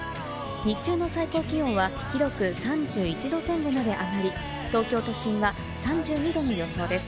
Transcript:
日中の最高気温は広く３１度前後まで上がり、東京都心は３２度の予想です。